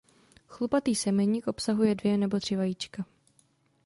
Chlupatý semeník obsahuje dvě nebo tři vajíčka.